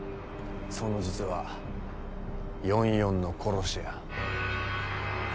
その実は４４の殺し屋。